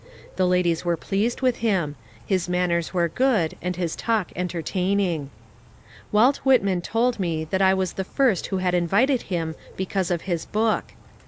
The ladies were pleased with him ; his manners were good, and his talk entertaining. Walt Whitman told me that I was the first who had visited him because of his book.